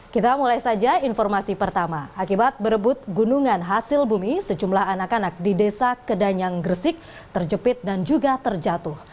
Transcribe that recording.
kita mulai saja informasi pertama akibat berebut gunungan hasil bumi sejumlah anak anak di desa kedanyang gresik terjepit dan juga terjatuh